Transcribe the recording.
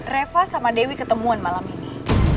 reva sama dewi ketemuan malam ini